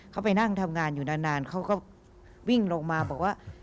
เขาไปนั่งทำงานอยู่นานเขาก็วิ่งลงมาบอกว่า